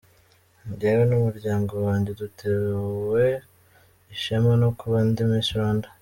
Njyewe n'umuryango wanjye dutewe ishema no kuba ndi Miss Rwanda.